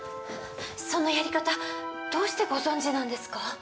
そのやり方どうしてご存じなんですか？